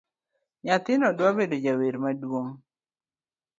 Nyathina dwa bedo jawer maduong